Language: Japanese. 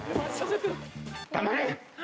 黙れ！